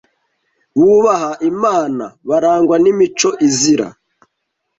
bubaha Imana, barangwa n’imico izira